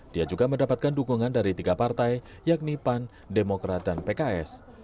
dia juga mendapatkan dukungan dari tiga partai yakni pan demokrat dan pks